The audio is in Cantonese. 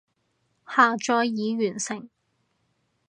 下載已完成